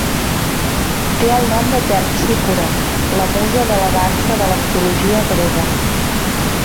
Té el nom de Terpsícore, la musa de la dansa de la mitologia grega.